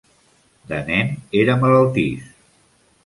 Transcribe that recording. De nen era malaltís.